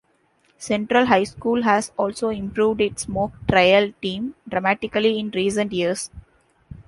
Central High School has also improved its Mock Trial team dramatically in recent years.